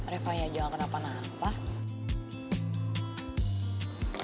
reva ya jangan kenapa napa